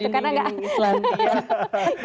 ini udah dinding dinding islandia